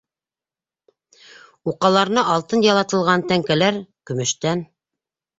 Уҡаларына алтын ялатылған, тәңкәләр - көмөштән.